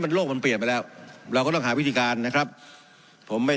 โลกมันเปลี่ยนไปแล้วเราก็ต้องหาวิธีการนะครับผมไม่